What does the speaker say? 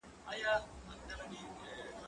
زه هره ورځ د ښوونځی لپاره امادګي نيسم!؟